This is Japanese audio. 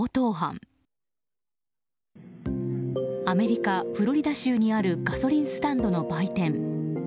アメリカ・フロリダ州にあるガソリンスタンドの売店。